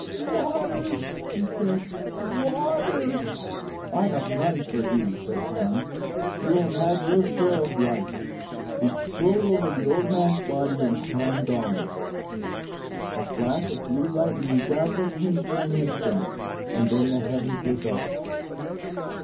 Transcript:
"Water!" he said; "water!" "I have none for you," said Hans; "you have had your share of life." He strode over the old man's body and climbed on. A flash of blue lightning dazzled him for an instant, and then the heavens were dark.